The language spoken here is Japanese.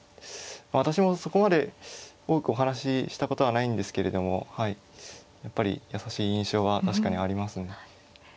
私もそこまで多くお話ししたことはないんですけれどもはいやっぱり優しい印象は確かにありますね。